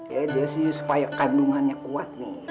ya dia sih supaya kandungannya kuat nih